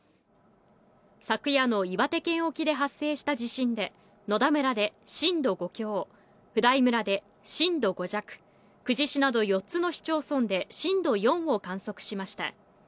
昨夜の岩手県沖で発生した地震で、野田村で震度５強、普代村で震度５弱、久慈市など四つの市町村で震度４を観測しました。